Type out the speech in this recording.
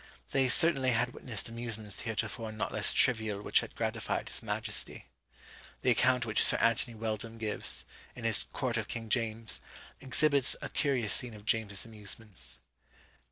They certainly had witnessed amusements heretofore not less trivial which had gratified his majesty. The account which Sir Anthony Weldon gives, in his Court of King James, exhibits a curious scene of James's amusements.